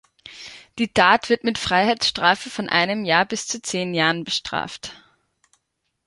Die Tat wird mit Freiheitsstrafe von einem Jahr bis zu zehn Jahren bestraft.